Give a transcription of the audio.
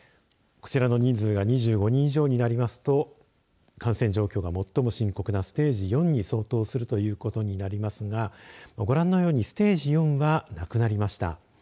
こちらの人数が２５人以上になりますと感染状況が最も深刻なステージ４に相当することになりますがご覧のようにステージ４はなくなりました。